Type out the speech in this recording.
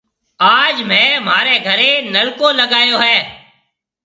آج ميه مهاريَ گھريَ نلڪو لاگائيو هيَ۔